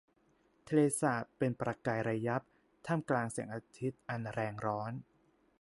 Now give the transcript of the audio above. ทะเลสาบเป็นประกายระยับท่ามกลางแสงอาทิตย์อันแรงร้อน